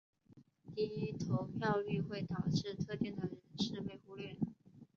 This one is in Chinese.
低投票率会导致特定的人士被忽略。